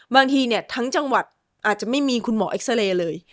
บางทีเนี่ยทั้งจังหวัดอาจจะไม่มีคุณหมอเอ็กซาเรย์เลย